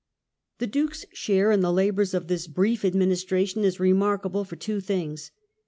The Duke's share in the labours of this brief administra tion is remarkable for two things.